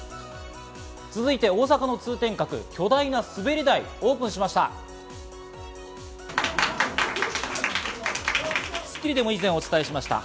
続いて大阪の通天閣、巨大な滑り台、オープンしました。